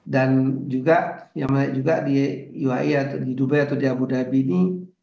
dan juga yang lain juga di dubai atau di abu dhabi ini